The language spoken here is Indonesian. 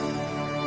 kau tidak bisa jauh